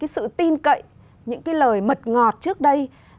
sự tin cậy những lời mật ngọt trước đây